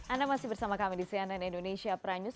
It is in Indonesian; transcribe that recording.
anda masih bersama kami di cnn indonesia prime news